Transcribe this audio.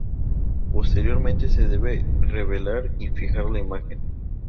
Posteriormente se debe revelar y fijar la imagen.